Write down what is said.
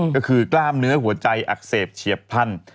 ก็คือกล้ามเนื้อหัวใจอักเสบเฉียบพันธุ